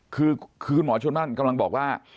คือคุณหมอชนนั่นกำลังบอกว่า